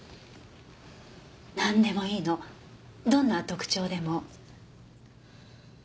なんでもいいのどんな特徴でも。